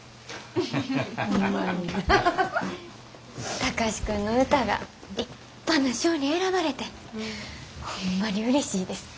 貴司君の歌が立派な賞に選ばれてホンマにうれしいです。